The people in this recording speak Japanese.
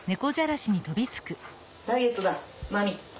ダイエットだマミ。